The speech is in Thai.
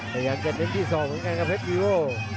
พยายามจะเน้นที่ศอกเหมือนกันครับเพชรวีโอ